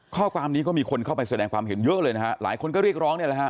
ข้อความนี้ก็มีคนเข้าไปแสดงความเห็นเยอะเลยนะฮะหลายคนก็เรียกร้องเนี่ยแหละฮะ